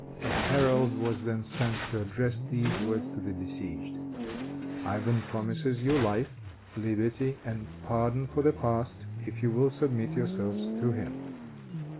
A herald was then sent, to address these words to the besieged: "Ivan promises you life, liberty and pardon for the past, if you will submit yourselves to him."